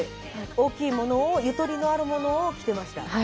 大きいものをゆとりのあるものを着てました。